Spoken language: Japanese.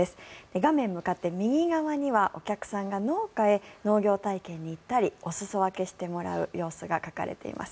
画面向かって右側にはお客さんが農家へ農業体験に行ったりお裾分けしてもらう様子が描かれています。